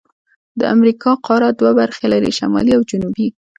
د امریکا قاره دوه برخې لري: شمالي او جنوبي.